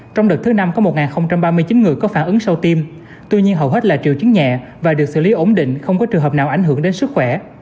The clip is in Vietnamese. trong đợt thứ năm có một ba mươi chín người có phản ứng sau tiêm tuy nhiên hầu hết là triệu chứng nhẹ và được xử lý ổn định không có trường hợp nào ảnh hưởng đến sức khỏe